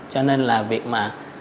cho nên là việc mà